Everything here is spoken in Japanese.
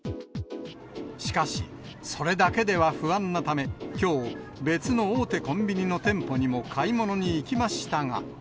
しかし、それだけでは不安なため、きょう、別の大手コンビニの店舗にも買い物に行きましたが。